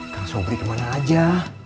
kan sobring kemana aja